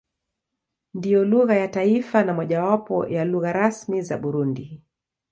Ndiyo lugha ya taifa na mojawapo ya lugha rasmi za Burundi.